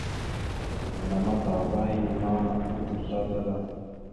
Məlam atah ava henne ma, adza slaslaɗa.